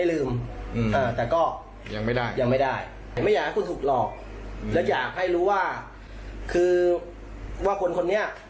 อืมจะให้รู้ว่าคือว่าคนคนนี้อ่ะ